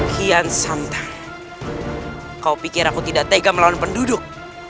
kian santai kau pikir aku tidak tega melawan penduduk